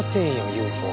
ＵＦＯ。